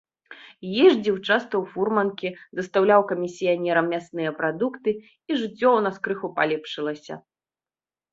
Ездзіў часта ў фурманкі, дастаўляў камісіянерам мясныя прадукты, і жыццё ў нас крыху палепшылася.